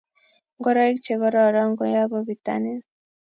Ngoroik che kororon koyabu pitanin